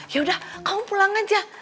yaudah kamu pulang aja